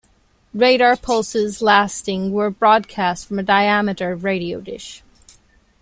Radar pulses lasting were broadcast from a diameter radio dish.